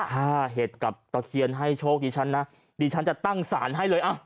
ถ้าเห็ดกับตะเคียนให้โชคดีฉันนะดิฉันจะตั้งสารให้เลย